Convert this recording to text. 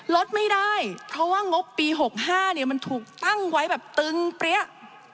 ลดไม่ได้เพราะว่างบปี๖๕เนี่ยมันถูกตั้งไว้แบบตึงเปรี้ย